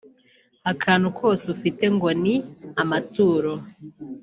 akantu kose ufite ngo ni amaturo